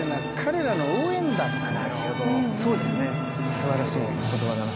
すばらしいお言葉だな。